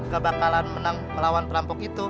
gak bakalan menang melawan perampok itu